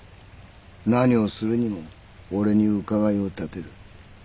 何をするにも俺に伺いをたてる。